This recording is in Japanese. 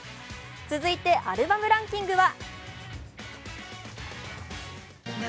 続いてアルバムランキングは？